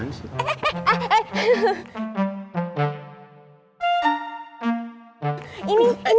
ngeliatin apaan sih